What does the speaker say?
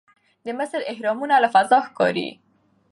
د مصر اهرامونه له فضا ښکاري.